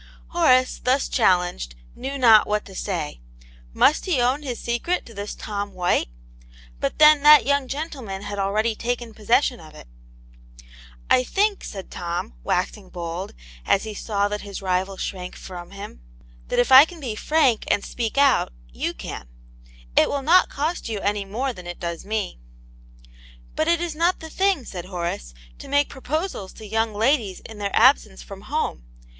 Horace thus challenged, knew not what to say. Must he own his secret to this Tom White } But then that young gentleman had already taken pos session of it. " I think," said Tom, waxing bold, as he saw that his rival shrank from him, " that if I can be frank and speak ujt, you can. It will hot cost you any more than it does me." " But it is not the thing," said Horace, " to make proposals to young ladies in their absence from home.